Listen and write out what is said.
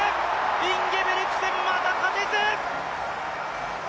インゲブリクセン、また勝てず！